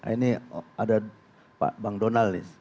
ini ada pak bang donald nih